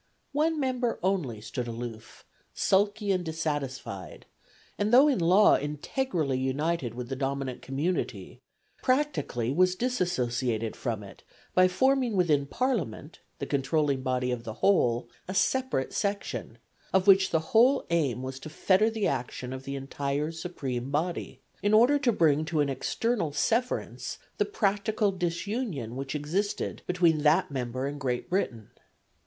One member only stood aloof, sulky and dissatisfied, and though in law integrally united with the dominant community, practically was dissociated from it by forming within Parliament (the controlling body of the whole) a separate section, of which the whole aim was to fetter the action of the entire supreme body in order to bring to an external severance the practical disunion which existed between that member and Great Britain.